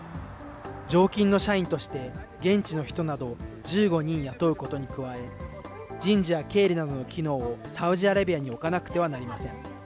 常勤の社員として、現地の人などを１５人雇うことに加え、人事や経理などの機能をサウジアラビアに置かなくてはなりません。